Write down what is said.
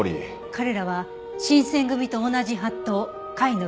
彼らは新選組と同じ法度を会のルールにしていた。